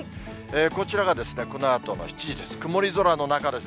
こちらがですね、このあとの７時です。